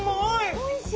おいしい？